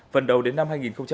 phần đầu đến năm hai nghìn ba mươi